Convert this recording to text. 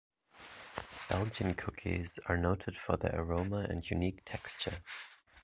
Belgian cookies are noted for their aroma and unique texture.